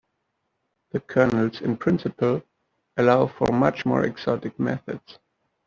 The kernels in principle allow for much more exotic methods.